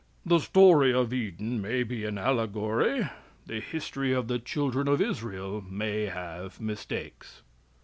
"The story of Eden may be an allegory; the history of the children of Israel may have mistakes."